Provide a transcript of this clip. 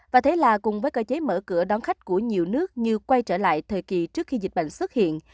và thế là cùng với cơ chế mở cửa đón khách của nhiều nước như quay trở lại thời kỳ trước khi dịch bệnh xuất hiện